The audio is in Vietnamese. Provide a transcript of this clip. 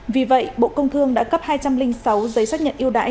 vì vậy bộ công thương đã cấp hai trăm linh sáu giấy xác nhận yêu đãi